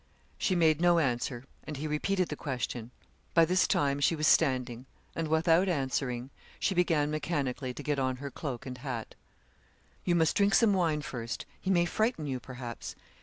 She made no answer, and he repeated the question. By this time she was standing; and without answering, she began mechanically to get on her cloak and hat. 'You must drink some wine first; he may frighten you, perhaps.